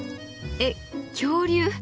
えっ恐竜？